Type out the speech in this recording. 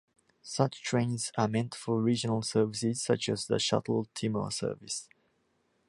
Such trains are meant for regional services such as the Shuttle Timur service.